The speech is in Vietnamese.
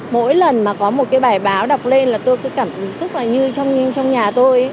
mỗi lần mà có một cái bài báo đọc lên là tôi cứ cảm xúc là như trong nhà tôi